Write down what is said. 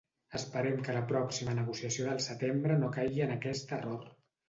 Esperem que la pròxima negociació del setembre no caigui en aquest error.